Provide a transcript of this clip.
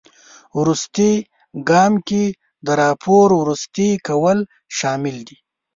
وروستي ګام کې د راپور وروستي کول شامل دي.